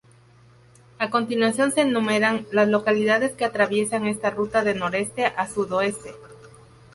A continuación se enumeran las localidades que atraviesa esta ruta de noreste a sudoeste.